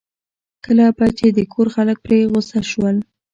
کله به چې د کور خلک پرې په غوسه شول.